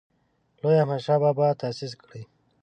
لوی احمدشاه بابا تاسیس کړی.